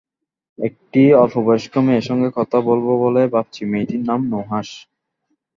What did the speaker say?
একটি অল্পবয়স্ক মেয়ের সঙ্গে কথা বলব বলে ভাবছি, মেয়েটির নাম নুহাশ।